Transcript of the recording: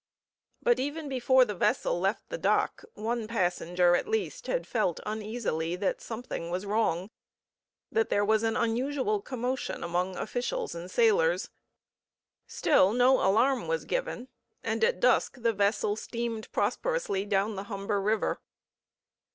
But even before the vessel left the dock one passenger at least had felt uneasily that something was wrong that there was an unusual commotion among officials and sailors. Still, no alarm was given, and at dusk the vessel steamed prosperously down the Humber River.